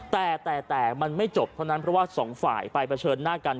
แต่แต่มันไม่จบเท่านั้นเพราะว่าสองฝ่ายไปเผชิญหน้ากัน